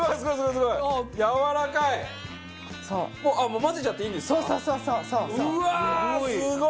もう混ぜちゃっていいんですか？